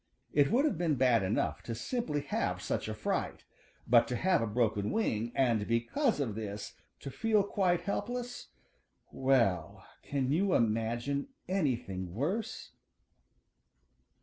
It would have been bad enough to simply have such a fright, but to have a broken wing and because of this to feel quite helpless well, can you imagine anything worse?